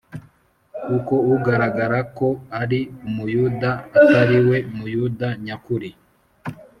Kuko ugaragara ko ari Umuyuda atari we Muyuda nyakuri